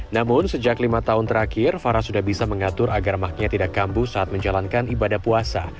namun sejak lima tahun terakhir farah sudah bisa mengatur agar maknya tidak kambuh saat menjalankan ibadah puasa